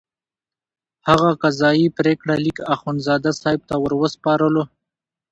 هغه قضایي پرېکړه لیک اخندزاده صاحب ته وروسپارلو.